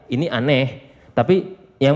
ini aneh tapi yang